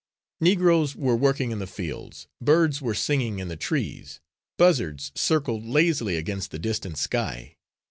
Negroes were working in the fields, birds were singing in the trees. Buzzards circled lazily against the distant sky.